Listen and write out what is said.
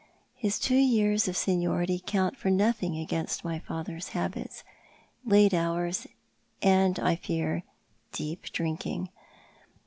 His two years of seniority count for nothing against my father's habits— late hours and, I fear, deep drinking.